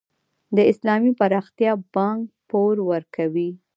د اسلامي پراختیا بانک پور ورکوي؟